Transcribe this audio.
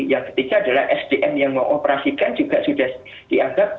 yang ketiga adalah sdm yang mau operasikan juga sudah dianggap fungsi